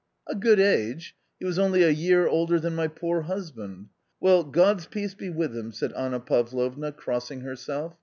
"A good age ? He was only a year older than my poor husband. Well, God's peace be with him !" said Anna Pavlovna, crossing herself.